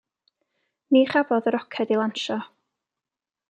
Ni chafodd y roced ei lansio.